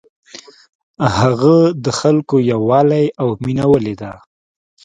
هغه د خلکو یووالی او مینه ولیده.